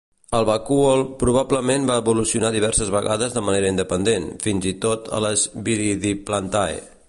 El vacúol probablement va evolucionar diverses vegades de manera independent, fins i tot a les Viridiplantae.